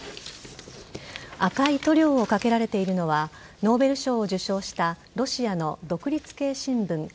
赤い塗料を掛けられているのはノーベル賞を受賞したロシアの独立系新聞